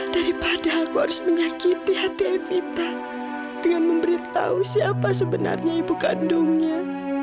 daripada aku harus menyakiti hati evita dengan memberitahu siapa sebenarnya ibu kandungnya